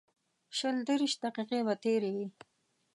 شل دېرش دقیقې به تېرې وې.